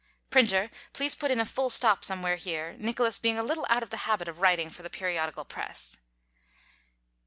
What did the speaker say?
(Printer, please put in a full stop somewhere here, Nicholas being a little out of the habit of writing for the periodical press.)